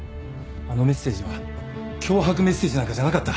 あのメッセージは脅迫メッセージなんかじゃなかった。